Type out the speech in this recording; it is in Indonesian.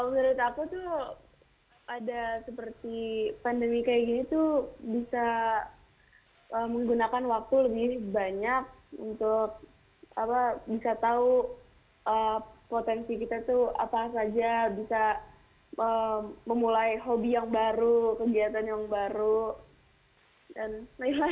menurut aku tuh ada seperti pandemi kayak gini tuh bisa menggunakan waktu lebih banyak untuk bisa tahu potensi kita tuh apa saja bisa memulai hobi yang baru kegiatan yang baru dan lain lain